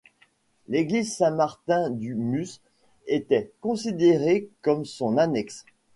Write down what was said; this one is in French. L'église Saint-Martin du Mus était considérée comme son annexe.